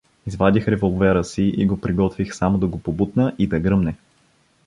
Извадих револвера си и го приготвих само да го побутна и да гръмне.